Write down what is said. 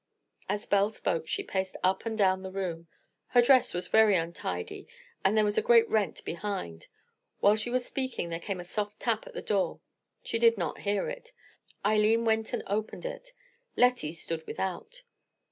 As Belle spoke she paced up and down the room. Her dress was very untidy, and there was a great rent behind. While she was speaking there came a soft tap at the door. She did not hear it. Eileen went and opened it. Lettie stood without.